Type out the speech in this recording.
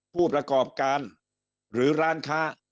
ผู้ประกอบการหรือร้านค้า